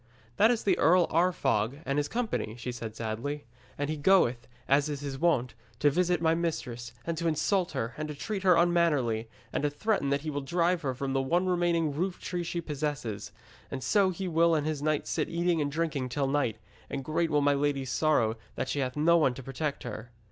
'That is the Earl Arfog and his company,' she said sadly. 'And he goeth, as is his wont, to visit my mistress, and to insult her, and to treat her unmannerly, and to threaten that he will drive her from the one remaining roof tree she possesses. And so will he and his knights sit eating and drinking till night, and great will be my lady's sorrow that she hath no one to protect her.'